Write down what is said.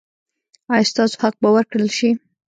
ایا ستاسو حق به ورکړل شي؟